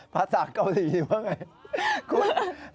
ภาษาเกาหลีนี่เป็นไง